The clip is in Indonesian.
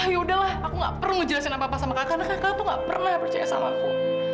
ya udahlah aku gak perlu ngejelasin apa apa sama kakak karena kakak tuh gak pernah percaya sama aku